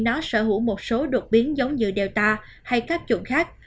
nó sở hữu một số đột biến giống như delta hay các chuộng khác